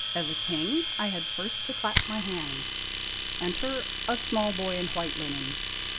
As a king, I had first to clap my hands. Enter a small boy in white linen.